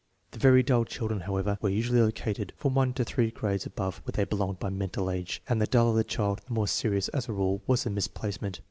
The very dull children, however, were usually located from one to three grades above where they belonged by mental age, and the duller the child the more serious, as a rule, was the misplacement.